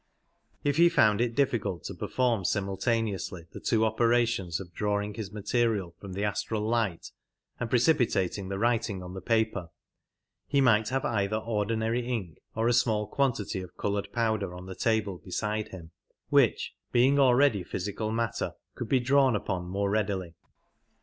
If he found it difficult to perform simultaneously the two operations of drawing his material from the astral light and precipitating the writing on the paper, he might have either ordinary ink or a small quantity of coloured powder on the table beside him, which, being already physical matter, could ue drawn upon more readily.